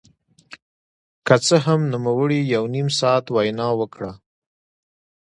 که څه هم نوموړي یو نیم ساعت وینا وکړه